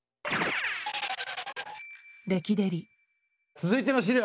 続いての資料